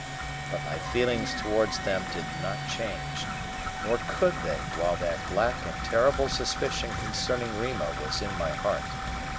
But my feelings towards them did not change, nor could they while that black and terrible suspicion concerning Rima was in my heart.